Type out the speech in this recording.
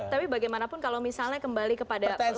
tapi bagaimanapun kalau misalnya kembali kepada masyarakat